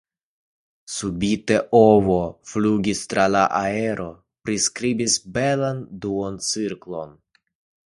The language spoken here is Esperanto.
Subite ovo flugis tra la aero, priskribis belan duoncirklon.